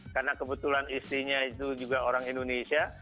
karena kebetulan istrinya itu juga orang indonesia